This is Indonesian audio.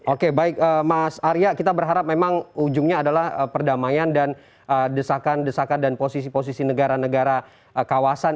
oke baik mas arya kita berharap memang ujungnya adalah perdamaian dan desakan desakan dan posisi posisi negara negara kawasan